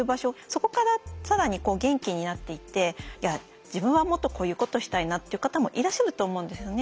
そこから更に元気になっていっていや自分はもっとこういうことしたいなっていう方もいらっしゃると思うんですよね。